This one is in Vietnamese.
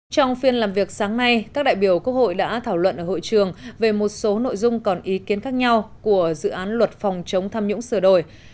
trong phiên làm việc sáng nay các đại biểu quốc hội đã thảo luận ở hội trường về một số nội dung còn ý kiến khác nhau của dự án luật phòng chống tham nhũng sửa đổi